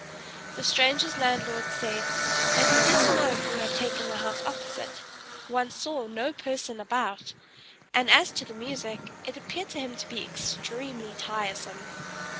The stranger's landlord said that he didn't know who had taken the house opposite, one saw no person about, and as to the music, it appeared to him to be extremely tiresome.